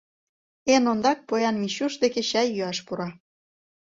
Эн ондак поян Мичуш деке чай йӱаш пура.